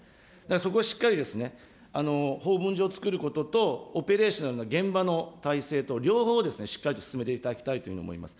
そこをしっかり法文上、作ることと、オペレーショナルな現場の態勢と、両方しっかりと進めていただきたいと思います。